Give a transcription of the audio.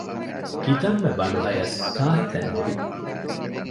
ކިތަންމެ ބަނޑުހަޔަސް ކާހިތެއް ނުވި